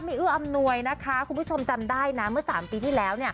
เอื้ออำนวยนะคะคุณผู้ชมจำได้นะเมื่อ๓ปีที่แล้ว